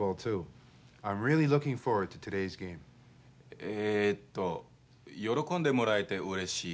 えっと喜んでもらえてうれしい。